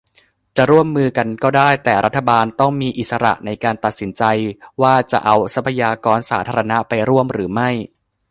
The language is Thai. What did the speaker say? จะร่วมมือกันก็ได้ แต่รัฐบาลต้องมีอิสระในการตัดสินใจว่าจะเอาทรัพยากรสาธารณะไปร่วมหรือไม่